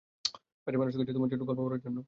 বাইরের মানুষের কাছে তোমার গল্প বলার জন্য।